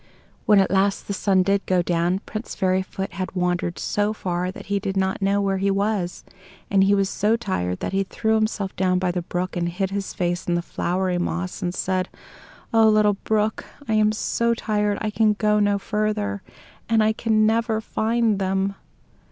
When at last the sun did go down, Prince Fairyfoot had wandered so far that he did not know where he was, and he was so tired that he threw himself down by the brook, and hid his face in the flowery moss, and said, "Oh, little brook! I am so tired I can go no further; and I can never find them!"